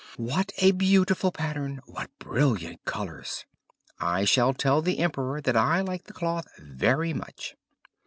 "What a beautiful pattern, what brilliant colours! I shall tell the emperor that I like the cloth very much."